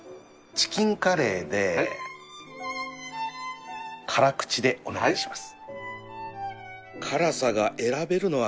チキンカレー辛口でございます。